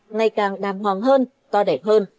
ngày càng đàng hoàng hơn to đẹp hơn